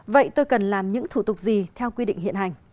vậy tôi cần làm những thủ tục gì theo quy định hiện hành